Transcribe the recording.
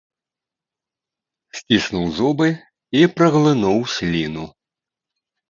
Сціснуў зубы і праглынуў сліну.